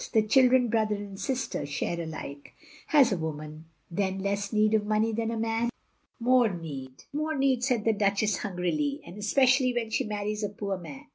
The children, brother and sister, share alike. Has a woman then less need of money than a man? " "More need, more need," said the Duchess htmgrily, "and especially when she marries a poor man."